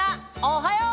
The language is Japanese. おはよう！